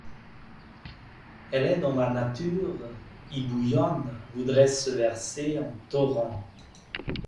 Elle est dans la Nature, y bouillonne, voudrait se verser en torrents.